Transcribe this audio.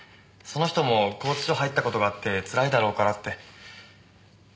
その人も拘置所入った事があってつらいだろうからって。